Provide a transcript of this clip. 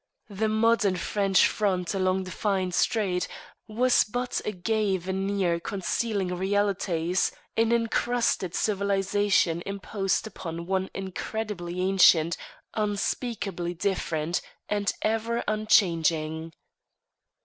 The modern French front along the fine street was but a gay veneer concealing realities, an incrusted civilization imposed upon one incredibly ancient, unspeakably different and ever unchanging.